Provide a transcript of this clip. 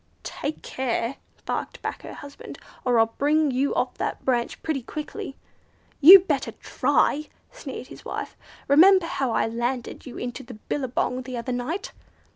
"Take care!" barked back her husband, "or I'll bring you off that branch pretty quickly." "You'd better try!" sneered his wife. "Remember how I landed you into the billabong the other night!"